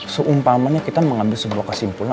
seumpamanya kita mengambil sebuah kesimpulan